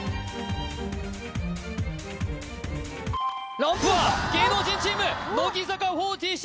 ランプは芸能人チーム乃木坂４６